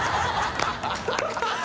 ハハハ